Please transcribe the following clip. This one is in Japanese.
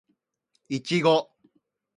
いちご